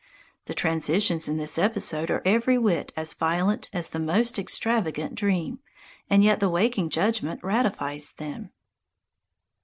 The transitions in this episode are every whit as violent as in the most extravagant dream, and yet the waking judgment ratifies them."